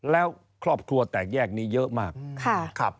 แล้วครอบครัวแตกแยกนี้เยอะมาก